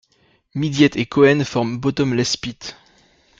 Midyett et Cohen forme Bottomless Pit.